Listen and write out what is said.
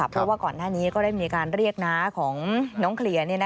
เพราะว่าก่อนหน้านี้ก็ได้มีการเรียกน้าของน้องเคลียร์